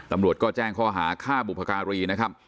ตำรวจก็แจ้งข้อหาฆ่าบุพการีนะครับ